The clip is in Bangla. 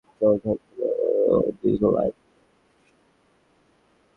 ঘূর্ণি চরকি, যুদ্ধ বিমান, ট্রেন সবই চড়তে হচ্ছিল দীর্ঘ লাইন দিয়ে।